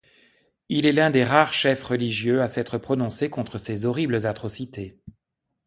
Il est l'un des rares chefs religieux à s'être prononcé contre ces horribles atrocités.